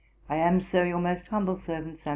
'I am, Sir, 'Your most humble servant, 'SAM.